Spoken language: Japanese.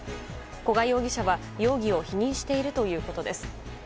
古賀容疑者は容疑を否認しているということです。